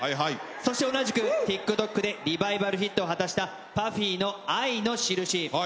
そして同じくティックトックでリバイバルヒットを果たしたＰＵＦＦＹの愛のしるし。